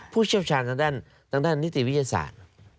เชี่ยวชาญทางด้านนิติวิทยาศาสตร์